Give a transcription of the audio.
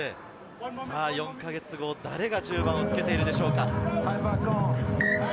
４か月後に誰が１０番をつけているでしょうか？